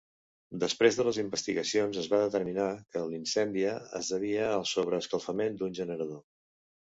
Després de les investigacions, es va determinar que l'incendia es devia al sobreescalfament d'un generador.